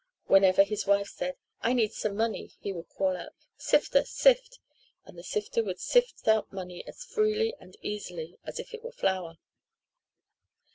Whenever his wife said, "I need some money," he would call out, "Sifter, sift," and the sifter would sift out money as freely and easily as if it were flour.